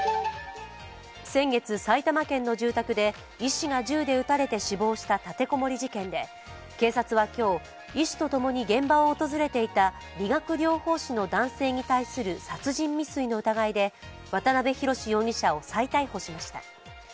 先月、埼玉県の住宅で医師が銃で撃たれて死亡した立て籠もり事件で、警察は今日、医師とともに現場を訪れていた理学療法士の男性に対する殺人容疑の疑いで渡辺宏容疑者を再逮捕しました。